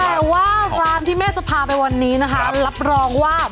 แต่ว่าร้านที่แม่จะพาไปวันนี้นะคะรับรองว่า